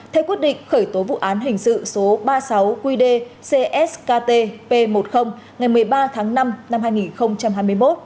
theo quyết định khởi tố vụ án hình sự số ba mươi sáu qd ckt p một mươi ngày một mươi ba tháng năm năm hai nghìn hai mươi một